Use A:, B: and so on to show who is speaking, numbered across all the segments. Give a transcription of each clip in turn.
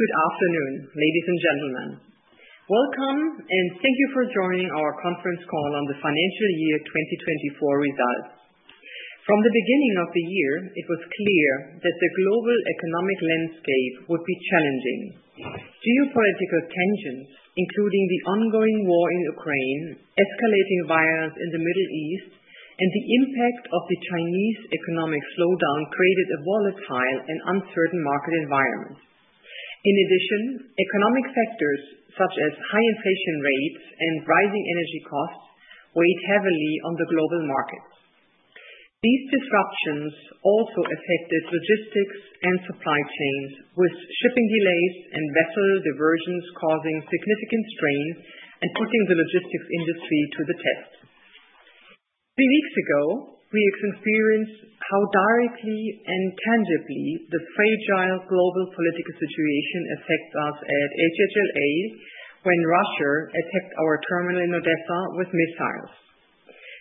A: Good afternoon, ladies and gentlemen. Welcome, and thank you for joining our conference call on the financial year 2024 results. From the beginning of the year, it was clear that the global economic landscape would be challenging. Geopolitical tensions, including the ongoing war in Ukraine, escalating violence in the Middle East, and the impact of the Chinese economic slowdown created a volatile and uncertain market environment. In addition, economic factors such as high inflation rates and rising energy costs weighed heavily on the global markets. These disruptions also affected logistics and supply chains, with shipping delays and vessel diversions causing significant strain and putting the logistics industry to the test. Three weeks ago, we experienced how directly and tangibly the fragile global political situation affects us at HHLA when Russia attacked our terminal in Odessa with missiles.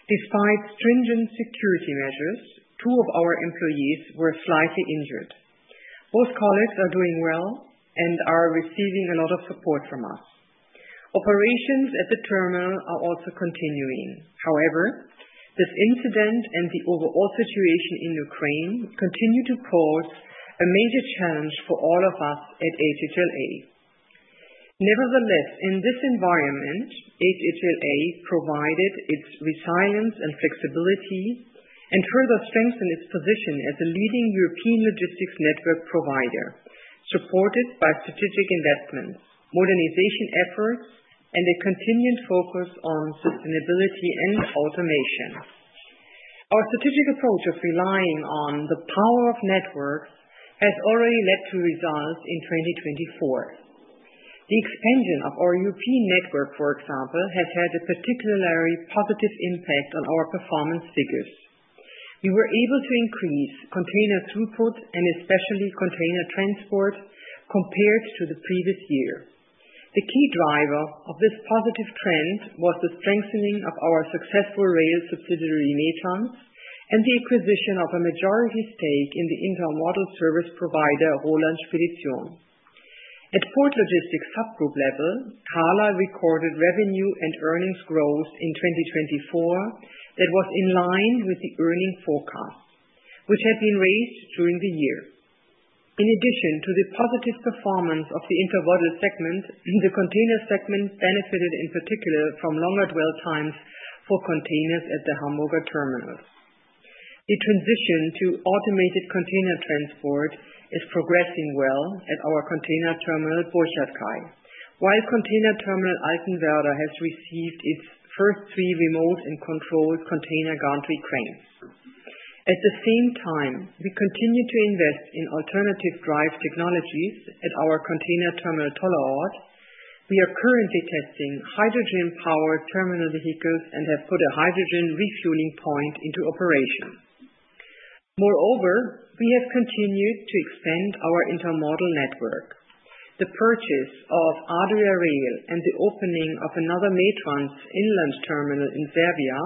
A: Despite stringent security measures, two of our employees were slightly injured. Both colleagues are doing well and are receiving a lot of support from us. Operations at the terminal are also continuing. However, this incident and the overall situation in Ukraine continue to pose a major challenge for all of us at HHLA. Nevertheless, in this environment, HHLA provided its resilience and flexibility and further strengthened its position as a leading European logistics network provider, supported by strategic investments, modernization efforts, and a continued focus on sustainability and automation. Our strategic approach of relying on the power of networks has already led to results in 2024. The expansion of our European network, for example, has had a particularly positive impact on our performance figures. We were able to increase container throughput and especially container transport compared to the previous year. The key driver of this positive trend was the strengthening of our successful rail subsidiary METRANS and the acquisition of a majority stake in the intermodal service provider Roland Spedition. At port logistics subgroup level, HHLA recorded revenue and earnings growth in 2024 that was in line with the earnings forecast, which had been raised during the year. In addition to the positive performance of the intermodal segment, the container segment benefited in particular from longer dwell times for containers at the Hamburger terminal. The transition to automated container transport is progressing well at our Container Terminal Burchardkai, while Container Terminal Altenwerder has received its first three remote and controlled container gantry cranes. At the same time, we continue to invest in alternative drive technologies at our Container Terminal Tollerort. We are currently testing hydrogen-powered terminal vehicles and have put a hydrogen refueling point into operation. Moreover, we have continued to expand our intermodal network. The purchase of Adria Rail and the opening of anotherMETRANS inland terminal in Serbia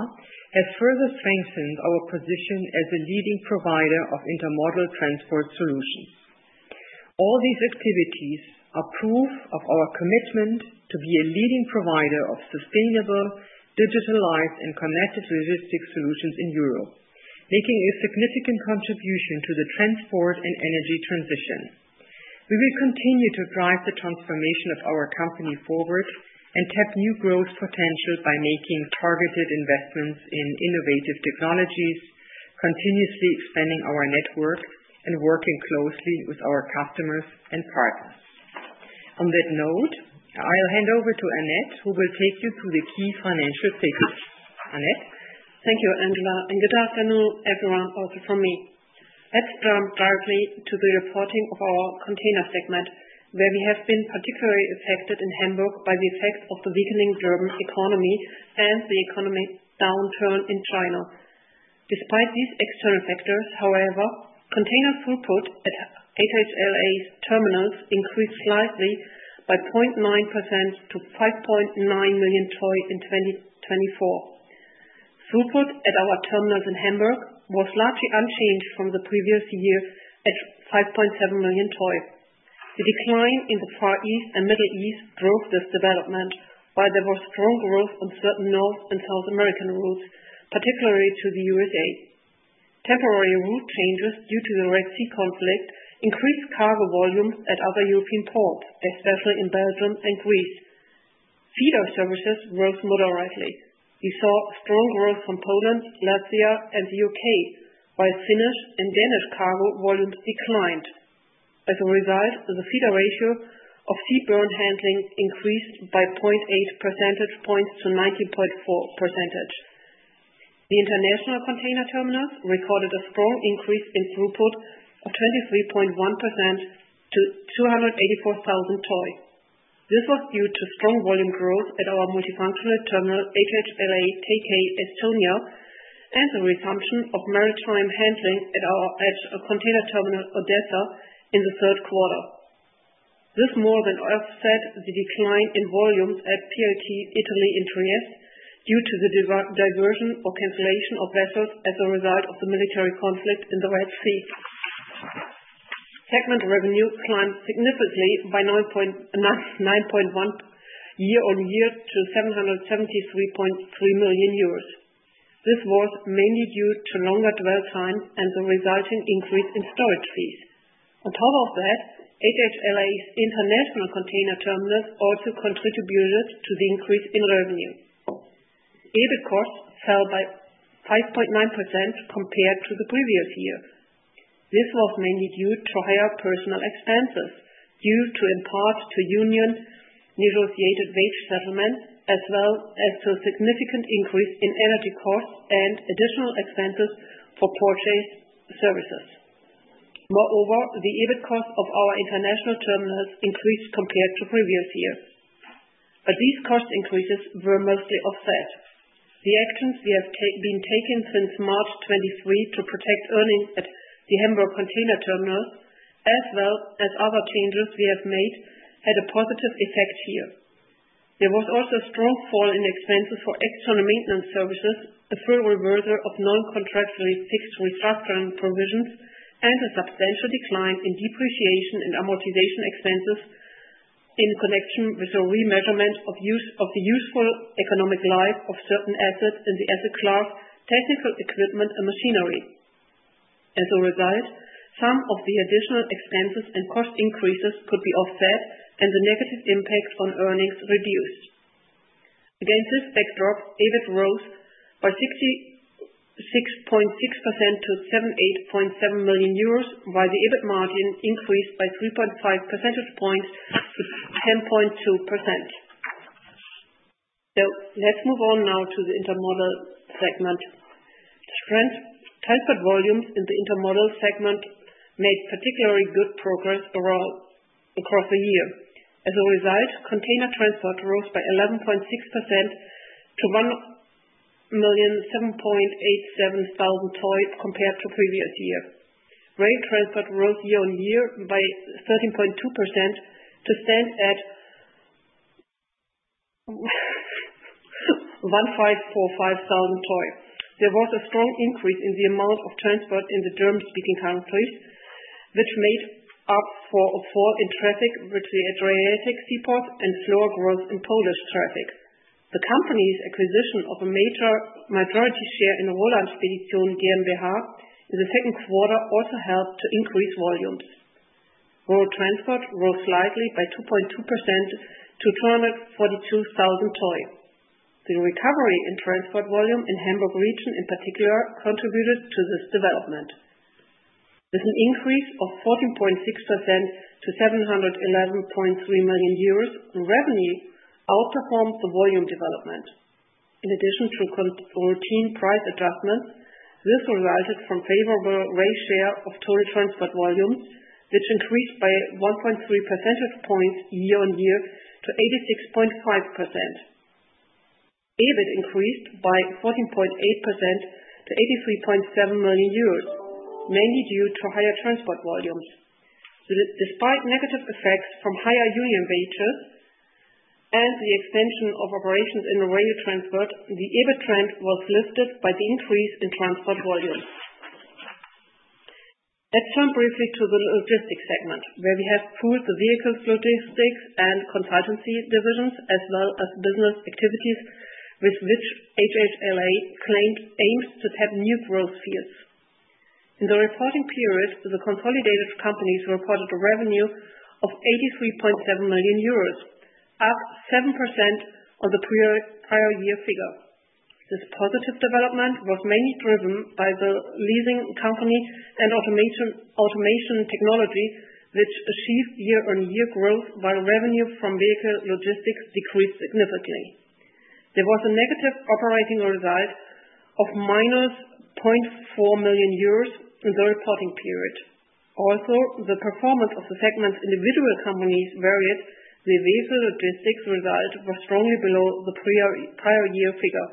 A: has further strengthened our position as a leading provider of intermodal transport solutions. All these activities are proof of our commitment to be a leading provider of sustainable, digitalized, and connected logistics solutions in Europe, making a significant contribution to the transport and energy transition. We will continue to drive the transformation of our company forward and tap new growth potential by making targeted investments in innovative technologies, continuously expanding our networks, and working closely with our customers and partners. On that note, I'll hand over to Annette, who will take you through the key financial figures. Annette. Thank you, Angela, and good afternoon, everyone, also from me. Let's jump directly to the reporting of our container segment, where we have been particularly affected in Hamburg by the effects of the weakening German economy and the economic downturn in China. Despite these external factors, however, container throughput at HHLA's terminals increased slightly by 0.9% to 5.9 million TEU in 2024. Throughput at our terminals in Hamburg was largely unchanged from the previous year at 5.7 million TEU. The decline in the Far East and Middle East drove this development, while there was strong growth on certain North and South American routes, particularly to the U.S.A. Temporary route changes due to the Red Sea conflict increased cargo volumes at other European ports, especially in Belgium and Greece. Feeder services rose moderately. We saw strong growth from Poland, Latvia, and the U.K., while Finnish and Danish cargo volumes declined. As a result, the feeder ratio of seaborne handling increased by 0.8 percentage points to 19.4%. The international container terminals recorded a strong increase in throughput of 23.1% to 284,000 TEU. This was due to strong volume growth at our multifunctional terminal HHLA TK Estonia and the resumption of maritime handling at our Container Terminal Odessa in the third quarter. This more than offsets the decline in volumes at PLT Italy in Trieste due to the diversion or cancellation of vessels as a result of the military conflict in the Red Sea. Segment revenue climbed significantly by 9.1% year-on-year to 773.3 million euros. This was mainly due to longer dwell time and the resulting increase in storage fees. On top of that, HHLA's international container terminals also contributed to the increase in revenue. EBIT costs fell by 5.9% compared to the previous year. This was mainly due to higher personnel expenses due to, in part, the union-negotiated wage settlement, as well as to a significant increase in energy costs and additional expenses for purchased services. Moreover, the EBIT costs of our international terminals increased compared to the previous year. These cost increases were mostly offset. The actions we have been taking since March 2023 to protect earnings at the Hamburg container terminals, as well as other changes we have made, had a positive effect here. There was also a strong fall in expenses for external maintenance services, a full reversal of non-contractually fixed restructuring provisions, and a substantial decline in depreciation and amortization expenses in connection with a remeasurement of the useful economic life of certain assets in the asset class, technical equipment, and machinery. As a result, some of the additional expenses and cost increases could be offset, and the negative impact on earnings reduced. Against this backdrop, EBIT rose by 66.6% to 78.7 million euros, while the EBIT margin increased by 3.5 percentage points to 10.2%. Let's move on now to the intermodal segment. The transfer volumes in the intermodal segment made particularly good progress across the year. As a result, container transport rose by 11.6% to 1,007,870 TEU compared to the previous year. Rail transport rose year-on-year by 13.2% to stand at 1,545,000 TEU. There was a strong increase in the amount of transport in the German-speaking countries, which made up for a fall in traffic between Adriatic seaports and slower growth in Polish traffic. The company's acquisition of a majority share in Roland Spedition in the second quarter also helped to increase volumes. Road transport rose slightly by 2.2% to 242,000 TEU. The recovery in transport volume in the Hamburg region, in particular, contributed to this development. With an increase of 14.6% to 711.3 million euros, revenue outperformed the volume development. In addition to routine price adjustments, this resulted from a favorable rail share of total transport volumes, which increased by 1.3 percentage points year-on-year to 86.5%. EBIT increased by 14.8% to 83.7 million euros, mainly due to higher transport volumes. Despite negative effects from higher union wages and the extension of operations in the rail transport, the EBIT trend was lifted by the increase in transport volumes. Let's jump briefly to the logistics segment, where we have pooled the vehicles logistics and consultancy divisions, as well as business activities with which HHLA aims to tap new growth fields. In the reporting period, the consolidated companies reported a revenue of 83.7 million euros, up 7% on the prior year figure. This positive development was mainly driven by the leasing company and automation technology, which achieved year-on-year growth, while revenue from vehicle logistics decreased significantly. There was a negative operating result of -0.4 million euros in the reporting period. Although the performance of the segment's individual companies varied, the vehicle logistics result was strongly below the prior year figure,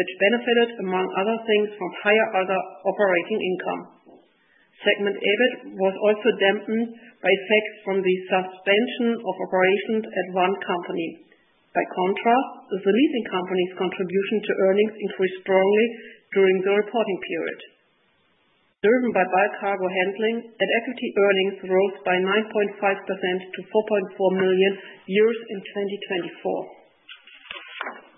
A: which benefited, among other things, from higher other operating income. Segment EBIT was also dampened by effects from the suspension of operations at one company. By contrast, the leasing company's contribution to earnings increased strongly during the reporting period. Driven by cargo handling, at-equity earnings rose by 9.5% to 4.4 million in 2024.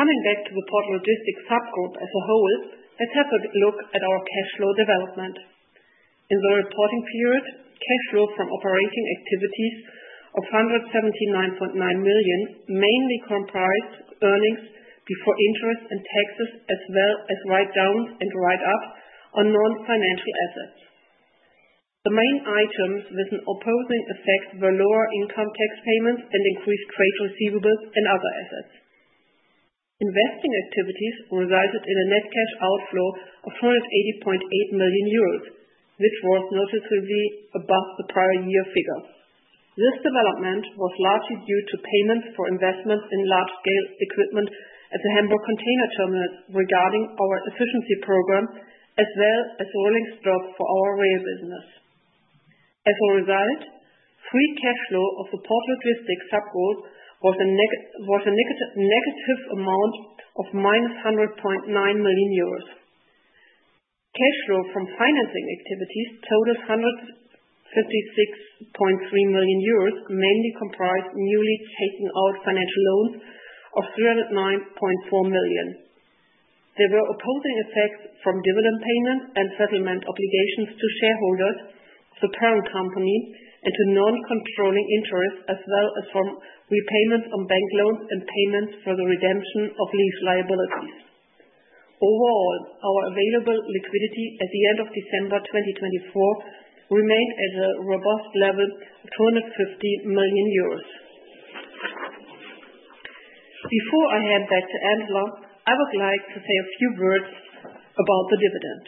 A: Coming back to the port logistics subgroup as a whole, let's have a look at our cash flow development. In the reporting period, cash flow from operating activities of 179.9 million mainly comprised earnings before interest and taxes, as well as write-downs and write-ups on non-financial assets. The main items with an opposing effect were lower income tax payments and increased trade receivables and other assets. Investing activities resulted in a net cash outflow of 280.8 million euros, which was noticeably above the prior year figure. This development was largely due to payments for investments in large-scale equipment at the Hamburg container terminal regarding our efficiency program, as well as rolling stock for our rail business. As a result, free cash flow of the port logistics subgroup was a negative amount of -100.9 million euros. Cash flow from financing activities totaled EUR 156.3 million, mainly comprised newly taken out financial loans of 309.4 million. There were opposing effects from dividend payments and settlement obligations to shareholders, to parent company, and to non-controlling interest, as well as from repayments on bank loans and payments for the redemption of lease liabilities. Overall, our available liquidity at the end of December 2024 remained at a robust level of 250 million euros. Before I hand back to Angela, I would like to say a few words about the dividend.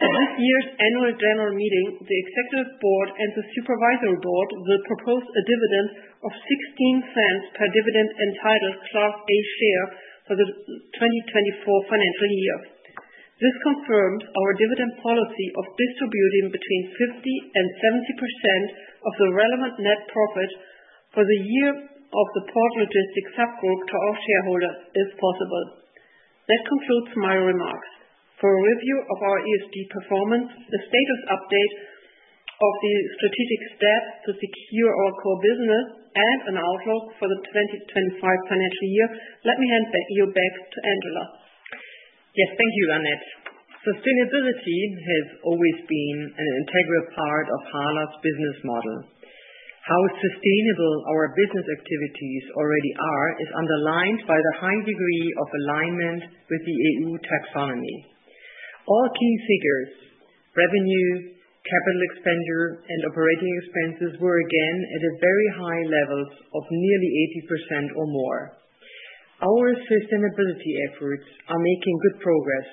A: At this year's annual general meeting, the Executive Board and the Supervisory Board will propose a dividend of 0.16 per dividend entitled Class A share for the 2024 financial year. This confirms our dividend policy of distributing between 50% and 70% of the relevant net profit for the year of the port logistics subgroup to our shareholders if possible. That concludes my remarks. For a review of our ESG performance, the status update of the strategic steps to secure our core business, and an outlook for the 2025 financial year, let me hand you back to Angela. Yes, thank you, Annette. Sustainability has always been an integral part of HHLA's business model. How sustainable our business activities already are is underlined by the high degree of alignment with the EU Taxonomy. All key figures, revenue, capital expenditure, and operating expenses were again at very high levels of nearly 80% or more. Our sustainability efforts are making good progress.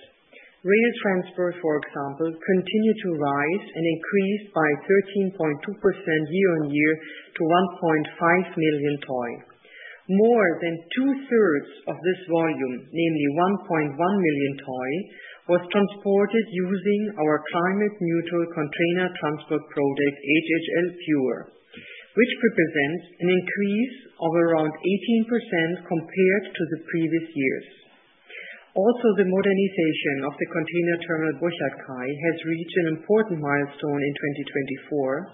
A: Rail transport, for example, continued to rise and increased by 13.2% year-on-year to 1.5 million TEU. More than two-thirds of this volume, namely 1.1 million TEU, was transported using our climate-neutral container transport product, HHLA Pure, which represents an increase of around 18% compared to the previous years. Also, the modernization of the container terminal Burchardkai has reached an important milestone in 2024.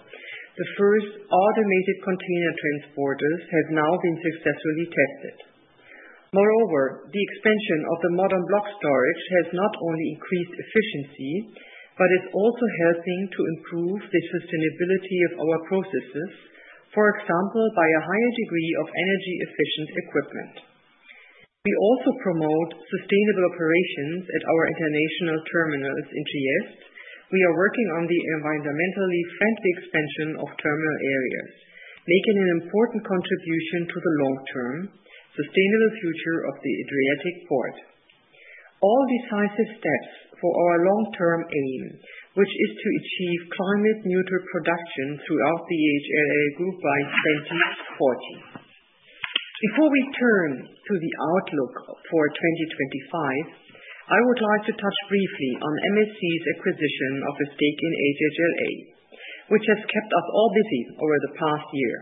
A: The first automated container transporters have now been successfully tested. Moreover, the expansion of the modern block storage has not only increased efficiency, but is also helping to improve the sustainability of our processes, for example, by a higher degree of energy-efficient equipment. We also promote sustainable operations at our international terminals in Trieste. We are working on the environmentally friendly expansion of terminal areas, making an important contribution to the long-term, sustainable future of the Adriatic port. All decisive steps for our long-term aim, which is to achieve climate-neutral production throughout the HHLA group by 2040. Before we turn to the outlook for 2025, I would like to touch briefly on MSC's acquisition of a stake in HHLA, which has kept us all busy over the past year.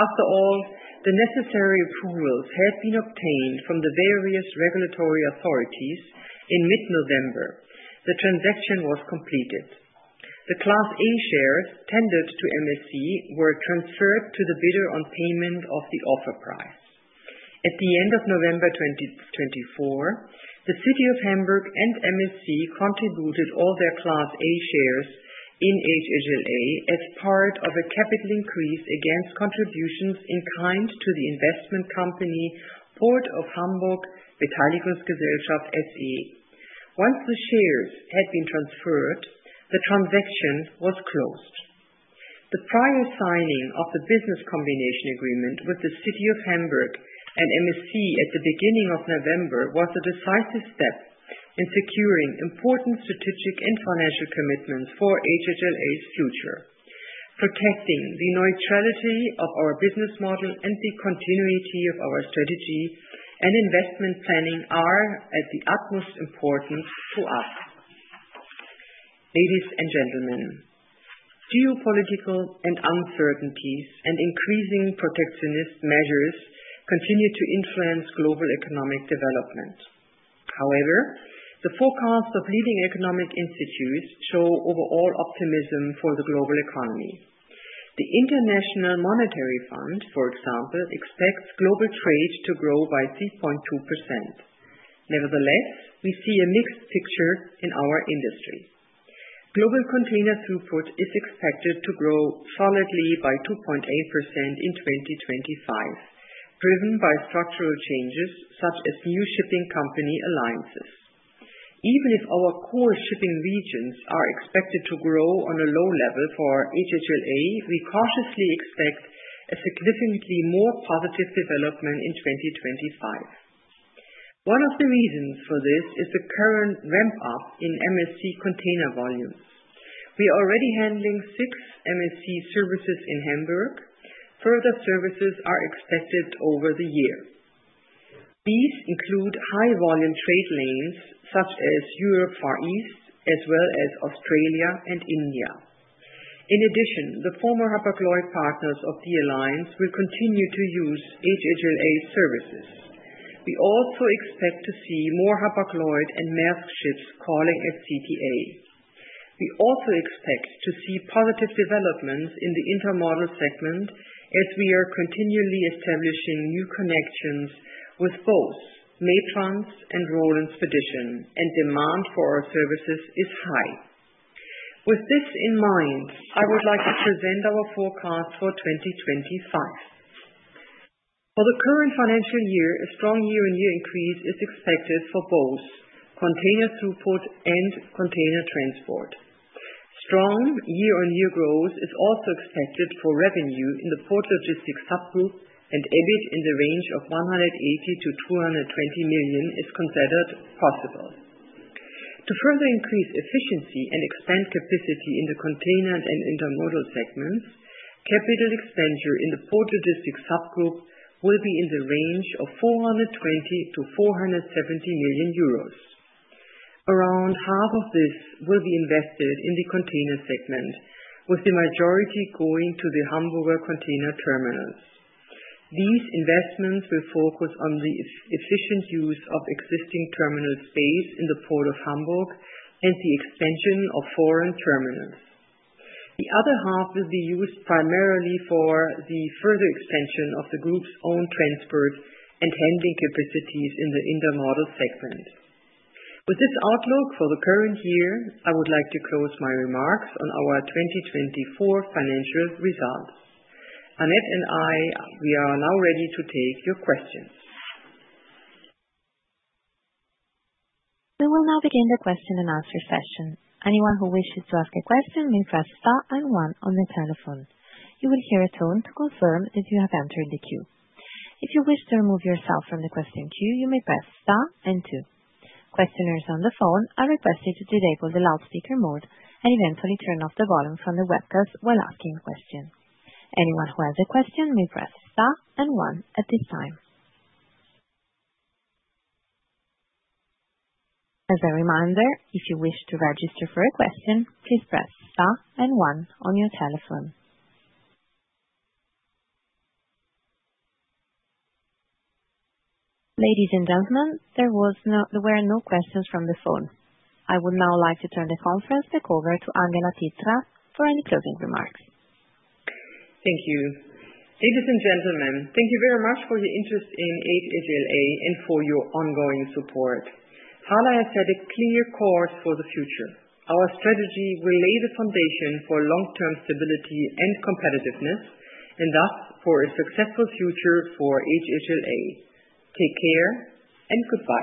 A: After all, the necessary approvals had been obtained from the various regulatory authorities in mid-November. The transaction was completed. The Class A shares tendered to MSC were transferred to the bidder on payment of the offer price. At the end of November 2024, the City of Hamburg and MSC contributed all their Class A shares in HHLA as part of a capital increase against contributions in kind to the investment company, Port of Hamburg Beteiligungsgesellschaft SE. Once the shares had been transferred, the transaction was closed. The prior signing of the business combination agreement with the City of Hamburg and MSC at the beginning of November was a decisive step in securing important strategic and financial commitments for HHLA's future. Protecting the neutrality of our business model and the continuity of our strategy and investment planning are of the utmost importance to us. Ladies and gentlemen, geopolitical uncertainties and increasing protectionist measures continue to influence global economic development. However, the forecasts of leading economic institutes show overall optimism for the global economy. The International Monetary Fund, for example, expects global trade to grow by 3.2%. Nevertheless, we see a mixed picture in our industry. Global container throughput is expected to grow solidly by 2.8% in 2025, driven by structural changes such as new shipping company alliances. Even if our core shipping regions are expected to grow on a low level for HHLA, we cautiously expect a significantly more positive development in 2025. One of the reasons for this is the current ramp-up in MSC container volumes. We are already handling six MSC services in Hamburg. Further services are expected over the year. These include high-volume trade lanes such as Europe Far East, as well as Australia and India. In addition, the former Hapag-Lloyd partners of the alliance will continue to use HHLA services. We also expect to see more Hapag-Lloyd and Maersk ships calling at CTA. We also expect to see positive developments in the intermodal segment as we are continually establishing new connections with both METRANS and Roland Spedition, and demand for our services is high. With this in mind, I would like to present our forecast for 2025. For the current financial year, a strong year-on-year increase is expected for both container throughput and container transport. Strong year-on-year growth is also expected for revenue in the port logistics subgroup, and EBIT in the range of 180 million-220 million is considered possible. To further increase efficiency and expand capacity in the container and intermodal segments, capital expenditure in the port logistics subgroup will be in the range of 420 million-470 million euros. Around half of this will be invested in the container segment, with the majority going to the Hamburger container terminals. These investments will focus on the efficient use of existing terminal space in the Port of Hamburg and the expansion of foreign terminals. The other half will be used primarily for the further expansion of the group's own transport and handling capacities in the intermodal segment. With this outlook for the current year, I would like to close my remarks on our 2024 financial results. Annette and I, we are now ready to take your questions.
B: We will now begin the question and answer session. Anyone who wishes to ask a question may press Star and one on the telephone. You will hear a tone to confirm that you have entered the queue. If you wish to remove yourself from the question queue, you may press Star and two. Questioners on the phone are requested to disable the loudspeaker mode and eventually turn off the volume from the webcast while asking a question. Anyone who has a question may press Star and one at this time. As a reminder, if you wish to register for a question, please press Star and one on your telephone. Ladies and gentlemen, there were no questions from the phone. I would now like to turn the conference back over to Angela Titzrath for any closing remarks.
A: Thank you. Ladies and gentlemen, thank you very much for your interest in HHLA and for your ongoing support. HHLA has set a clear course for the future. Our strategy will lay the foundation for long-term stability and competitiveness, and thus for a successful future for HHLA. Take care and goodbye.